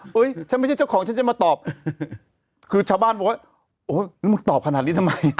ฉันไม่ใช่เจ้าของฉันจะมาตอบคือชาวบ้านบอกว่าโอ๊ยแล้วมึงตอบขนาดนี้ทำไม